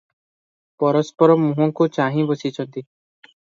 ପରସ୍ପର ମୁହଁକୁ ଚାହିଁବସିଛନ୍ତି ।